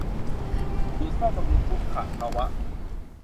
ศูนย์ซ่อมบำรุงฟุคะกะวะ